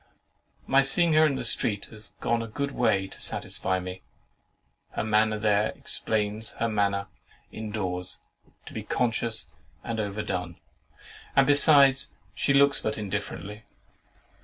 My seeing her in the street has gone a good way to satisfy me. Her manner there explains her manner in doors to be conscious and overdone; and besides, she looks but indifferently.